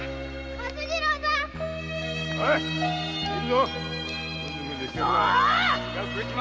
松次郎さん‼